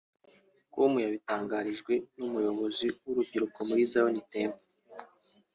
com yabitangarijwe n’umuyobozi w’urubyiruko muri Zion Temple